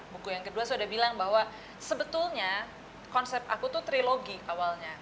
buku yang kedua sudah bilang bahwa sebetulnya konsep aku tuh trilogi awalnya